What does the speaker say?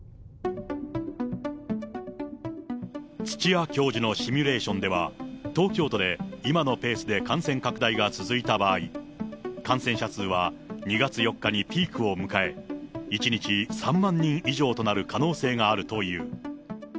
土谷教授のシミュレーションでは、東京都で今のペースで感染拡大が続いた場合、感染者数は２月４日にピークを迎え、１日３万人以上となる可能性があるという。